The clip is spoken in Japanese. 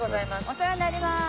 お世話になりまーす。